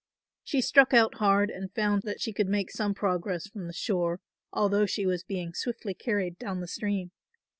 She struck out hard and found that she could make some progress from the shore although she was being swiftly carried down the stream.